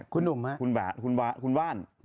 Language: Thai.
คุณหนุ่มครับ